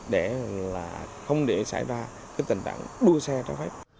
để là không để xảy ra cái tình trạng đua xe cho phép